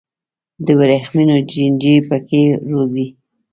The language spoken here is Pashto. د ورېښمو چینجي پکې روزي.